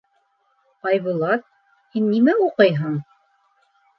— Айбулат, һин нимә уҡыйһың?